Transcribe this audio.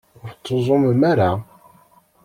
Ur tettuẓumem ara.